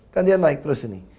kan dia naik terus ini